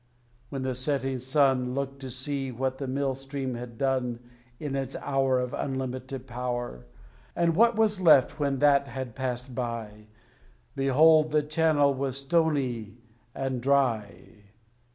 When the setting sun Looked to see what the Mill Stream had done In its hour Of unlimited power, And what was left when that had passed by, Behold the channel was stony and dry.